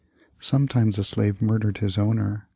Sometimes a slave murdered his owner.